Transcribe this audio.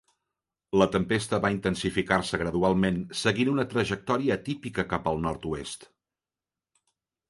La tempesta va intensificar-se gradualment seguint una trajectòria atípica cap al nord-oest.